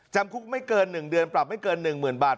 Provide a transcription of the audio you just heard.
จำคุกไม่เกินหนึ่งเดือนปรับไม่เกินหนึ่งหมื่นบาท